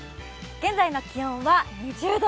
現在の気温は２０度。